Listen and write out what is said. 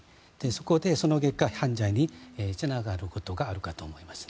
そこでその結果犯罪につながることがあるかと思います。